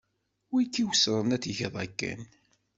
Wi k-iweṣren ad tgeḍ akken.